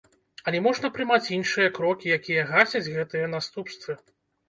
Але можна прымаць іншыя крокі, якія гасяць гэтыя наступствы.